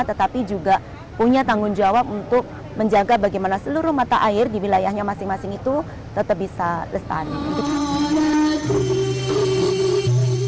tetapi juga punya tanggung jawab untuk menjaga bagaimana seluruh mata air di wilayahnya masing masing itu tetap bisa lestari